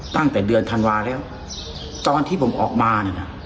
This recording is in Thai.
ตั้งแต่เดือนธันวาแล้วตอนที่ผมออกมาเนี่ยนะ